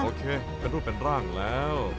เป็นรูปเป็นร่างแล้ว